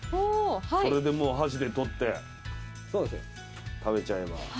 それでもう箸で取って食べちゃえば。